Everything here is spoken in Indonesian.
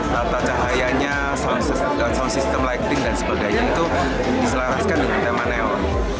tata cahayanya sound system lighting dan sebagainya itu diselaraskan dengan tema neon